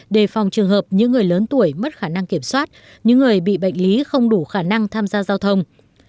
đề phòng trường hợp những người lớn tuổi mất khả năng kiểm soát những người bị bệnh lý không đủ khả năng tham gia giao thông